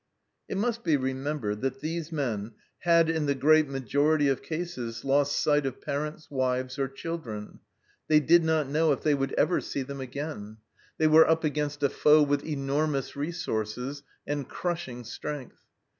It must be re membered that these men had, in the great majority of cases, lost sight of parents, wives, or children. They did not know if they would ever see them 160 THE CELLAR HOUSE OF PERVYSE again. They were up against a foe with enormous resources and crushing strength.